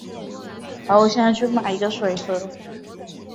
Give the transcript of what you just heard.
阿尔杰什县是罗马尼亚南部的一个县。